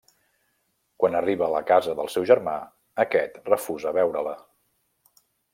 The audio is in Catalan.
Quan arriba a la casa del seu germà, aquest, refusa veure-la.